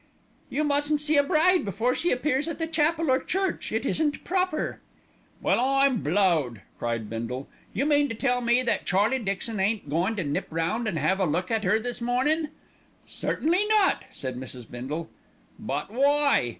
"You mustn't see a bride before she appears at the chapel or church. It isn't proper." "Well, I'm blowed!" cried Bindle. "You mean to tell me that Charlie Dixon ain't goin' to nip round and 'ave a look at 'er this mornin'?" "Certainly not," said Mrs. Bindle. "But why?"